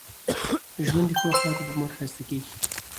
ژوند د ښو اخلاقو په مټ ښایسته کېږي.